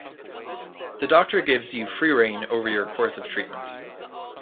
The doctor gives you free rein over your course of treatment.